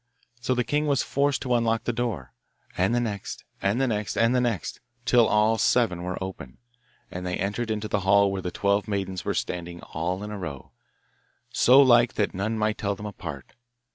So the king was forced to unlock the door, and the next and the next and the next, till all seven were open, and they entered into the hall where the twelve maidens were standing all in a row, so like that none might tell them apart.